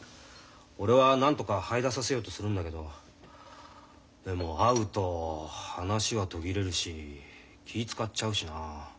俺はなんとかはい出させようとするんだけどでも会うと話は途切れるし気ぃ遣っちゃうしなあ。